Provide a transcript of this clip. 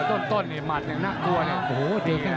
ต้นเนี่ยหมัดนึงน่ากลัวเนี่ย